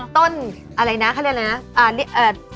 ต้นอะไรนะเขาเรียกอะไรนะ